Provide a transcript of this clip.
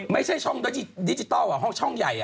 ไม่ใช่ช่องดิจิทัลห้องช่องใหญ่